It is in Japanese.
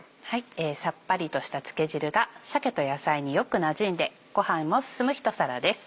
さっぱりとした漬け汁が鮭と野菜によくなじんでごはんも進むひと皿です。